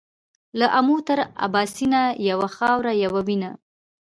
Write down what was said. له امو تر اباسينه يوه خاوره يوه وينه.